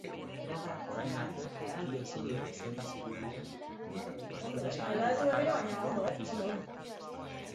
Orain arte ukiezina zela zirudien enpresa handi bakarrak, blog ofizialean.